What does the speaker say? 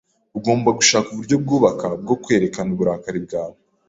Ugomba gushaka uburyo bwubaka bwo kwerekana uburakari bwawe.